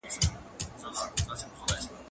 زه به اوږده موده ليکنه کړې وم؟